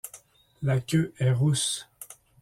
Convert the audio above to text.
La queue est rousse.